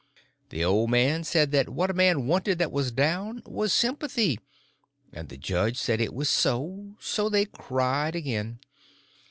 The old man said that what a man wanted that was down was sympathy, and the judge said it was so; so they cried again.